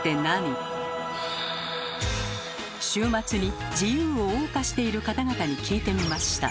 週末に自由をおう歌している方々に聞いてみました。